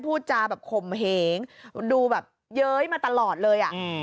พูดจาแบบข่มเหงดูแบบเย้ยมาตลอดเลยอ่ะ